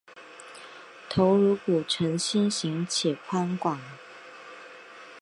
头颅骨呈心型且宽广。